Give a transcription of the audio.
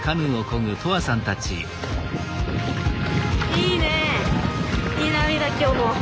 いいねいい波だ今日も。